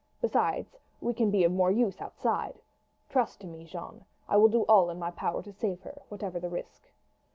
Besides, we can be of more use outside. Trust to me, Jeanne; I will do all in my power to save her, whatever the risk."